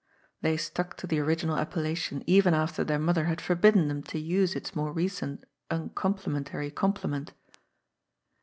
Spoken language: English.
They stuck to the original appellation even after their mother had forbidden them to use its more recent un complimentary complement.